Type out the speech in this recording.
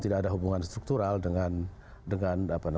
tidak ada hubungan struktural dengan